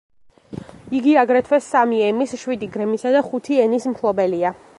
იგი აგრეთვე სამი ემის, შვიდი გრემისა და ხუთი ენის მფლობელია.